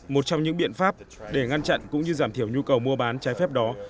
một trong những biện pháp để ngăn chặn cũng như giảm thiểu nhu cầu mua bán trái phép đó